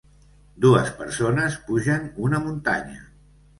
Dues persones pugen una muntanya.